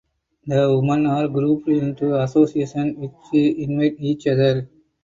The women are grouped into associations which invite each other.